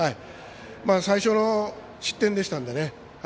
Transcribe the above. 最初の失点でしたのでね。